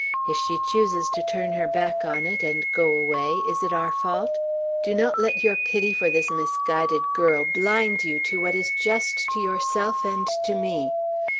If she chooses to turn her back on it, and go away, is it our fault? Do not let your pity for this misguided girl blind you to what is just to yourself and to me.